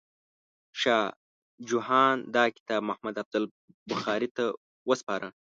شاه جهان دا کتاب محمد افضل بخاري ته وسپاره.